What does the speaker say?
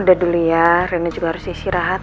udah dulu ya rena juga harus isi rahat